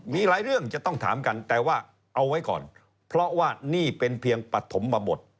มีหลายเรื่องจะต้องถามกันแต่ว่าเอาไว้ก่อนเพราะว่านี่เป็นเพียงปฐมบท